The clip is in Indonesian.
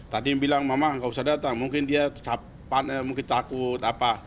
tadi yang bilang mama enggak usah datang mungkin dia cakut apa